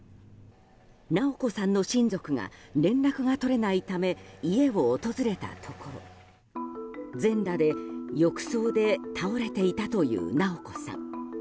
直子さんの親族が連絡が取れないため家を訪れたところ全裸で浴槽で倒れていたという直子さん。